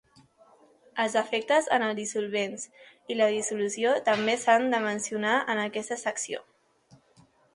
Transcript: Els efectes en el dissolvents i la dissolució també s"han de mencionar en aquesta secció.